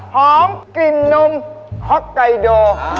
หอมกลิ่นนมฮ็อกไกโด